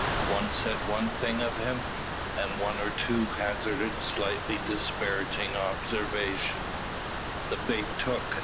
One said one thing of him, and one or two hazarded slightly disparaging observations. The bait took.